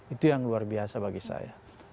itu yang luar biasa bagi saya